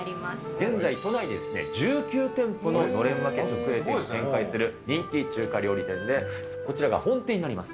現在都内で１９店舗ののれん分け直営店を展開する人気中華料理店で、こちらが本店になります。